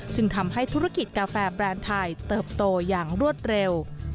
จึงทำให้ธุรกิจกาแฟแบรนด์ไทยเติบโตอย่างรวดเร็ว